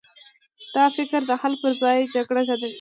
دا فکر د حل پر ځای جګړه زیاتوي.